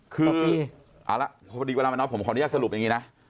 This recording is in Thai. เมื่อผมขอรู้สร้างประมาณคมนี้สรุปเป็นแบบนี้นะ